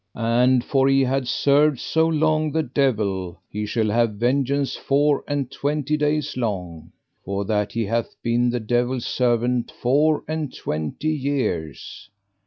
And for he had served so long the devil, he shall have vengeance four and twenty days long, for that he hath been the devil's servant four and twenty years.